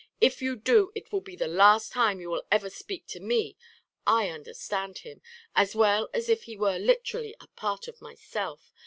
If you do, it will be the last time you will ever speak to me. I understand him as well as if he were literally a part of myself.